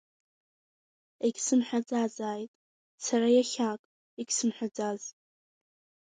Егьсымҳәаӡазааит, сара иахьак, егьсымҳәаӡаз…